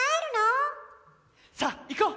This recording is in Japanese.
さあ行こう。